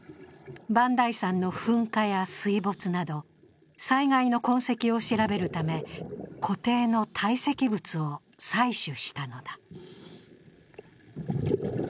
磐梯山の噴火や水没など、災害の痕跡を調べるため、湖底の堆積物を採取したのだ。